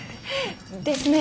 ですね。